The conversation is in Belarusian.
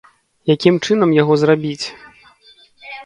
Якім чынам яго зрабіць?